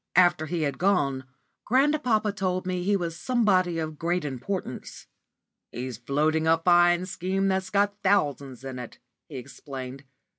After he had gone, grandpapa told me he was somebody of great importance. "He's floating a fine scheme that's got thousands in it," he explained.